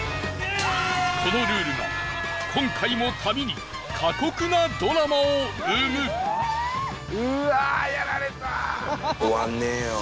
このルールが、今回も旅に過酷なドラマを生むうわー！